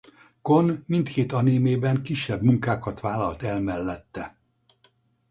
Kon mindkét animében kisebb munkákat vállalt el mellette.